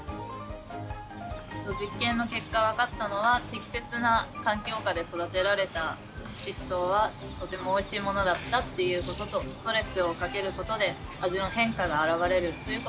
実験の結果分かったのは適切な環境下で育てられたシシトウはとてもおいしいものだったっていうこととストレスをかけることで味の変化があらわれるということが分かりました。